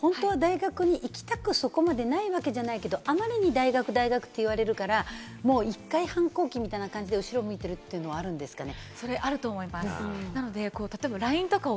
彼女は本当は大学に行きたくないわけじゃないけれども、あまりに大学大学って言われるから、１回反抗期みたいな感じで後ろ向いてるというのはあるんですかね。